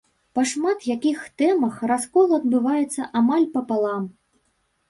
Па шмат якіх тэмах раскол адбываецца амаль папалам.